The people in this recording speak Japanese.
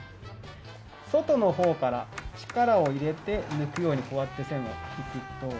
外の方から力を入れて抜くようにこうやって線を引くと。